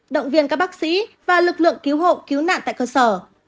động viên các bác sĩ và lực lượng cứu hộ cứu nạn tại cơ sở